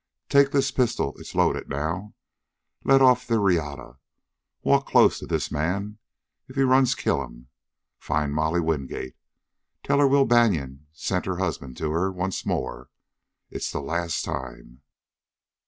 Take this pistol it's loaded now. Let off the reata, walk close to this man. If he runs, kill him. Find Molly Wingate. Tell her Will Banion has sent her husband to her once more. It's the last time."